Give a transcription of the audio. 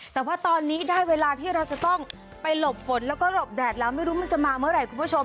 แต่ว่าตอนนี้ได้เวลาที่เราจะต้องไปหลบฝนแล้วก็หลบแดดแล้วไม่รู้มันจะมาเมื่อไหร่คุณผู้ชม